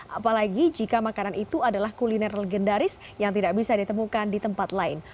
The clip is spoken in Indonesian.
apalagi jika makanan itu adalah kuliner legendaris yang tidak bisa ditemukan di tempat lain